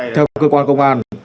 theo cơ quan công an